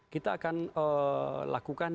kita akan lakukan